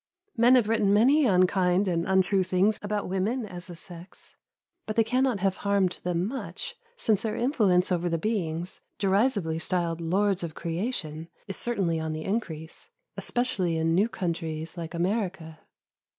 Men have written many unkind and untrue things about women as a sex, but they cannot have harmed them much, since their influence over the beings, derisively styled "Lords of Creation" is certainly on the increase, especially in new countries like America.